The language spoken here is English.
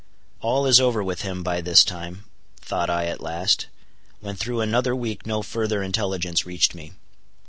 All is over with him, by this time, thought I at last, when through another week no further intelligence reached me.